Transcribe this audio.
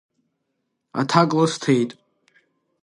Аҭак лысҭеит.